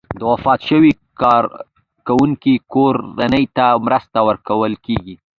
د وفات شوي کارکوونکي کورنۍ ته مرسته ورکول کیږي.